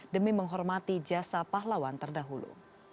demi menghormati jasa pahlawan terdahulu